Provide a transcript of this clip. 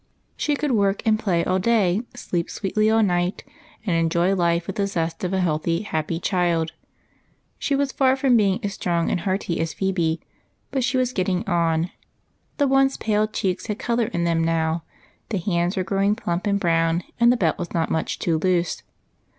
She could work and play all day, sleep sweetly all night, and enjoy life with the zest of a healthy, hajDj^y child. She was far from being as strong and hearty as Phebe, but she was getting on ; the once pale cheeks had color in them now, the hands were growing plump and brown, and the belt was not much too loose.